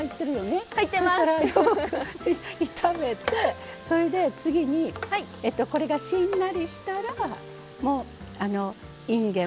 そしたら炒めてそれで次にこれがしんなりしたらもうあのいんげん。